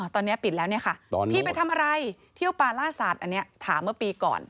ตอนนี้ปิดแล้วเนี่ยค่ะพี่ไปทำอะไรเที่ยวปลาล่าสัตว์อันนี้ถามเมื่อปีก่อน